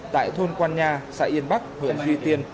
tại thôn quan nha xã yên bắc huyện duy tiên